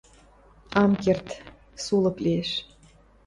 — Ам керд, сулык лиэш...